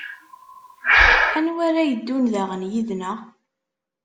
Anwa ara yeddun daɣen yid-neɣ?